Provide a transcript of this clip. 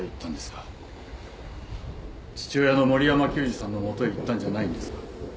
父親の森山久司さんの元へ行ったんじゃないんですか？